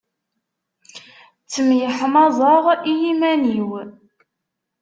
Ttemyeḥmaẓeɣ i yiman-iw.